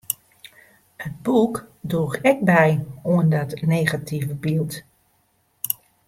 It boek droech ek by oan dat negative byld.